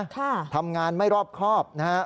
ทำงานไม่รอบครอบนะฮะ